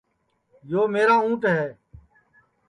یو میرا اُنٹ ہے